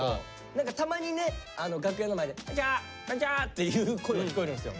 何かたまにね楽屋の前で「こんにちはこんにちは」っていう声が聞こえるんですよ。